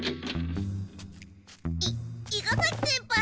い伊賀崎先輩！